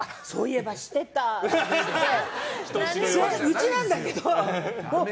うちなんだけど。